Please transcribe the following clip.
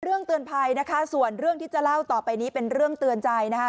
เตือนภัยนะคะส่วนเรื่องที่จะเล่าต่อไปนี้เป็นเรื่องเตือนใจนะคะ